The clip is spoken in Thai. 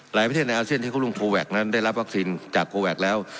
ประเทศในอาเซียนที่คุณรุ่งโทรแวคนั้นได้รับวัคซีนจากโคแวคแล้ว